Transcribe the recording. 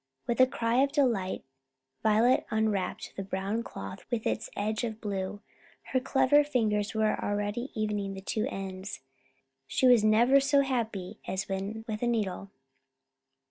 With a cry of delight Violet unwrapped the brown cloth with its edge of blue. Her clever fingers were already evening the two ends. She was never so happy as when with a needle.